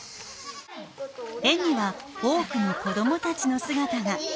園には多くの子どもたちの姿が。